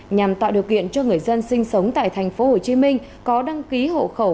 nhằm tạo điều kiện cho người dân sinh sống tại tp hcm có đăng ký hộ khẩu